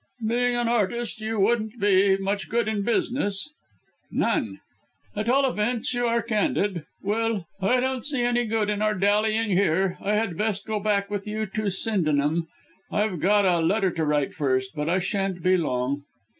"Being an artist you wouldn't be much good in business." "None!" "At all events, you are candid. Well! I don't see any good in our dallying here I had best go back with you to Sydenham. I've got a letter to write first, but I shan't be long."